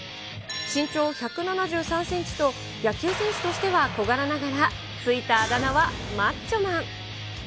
身長１７３センチと、野球選手としては小柄ながら、ついたあだ名はマッチョマン。